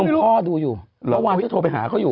นุ่มพ่อดูอยู่เพราะว่าวิทย์โทรไปหาเขาอยู่